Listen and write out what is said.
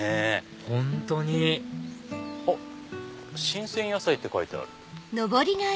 本当にあっ新鮮野菜って書いてある。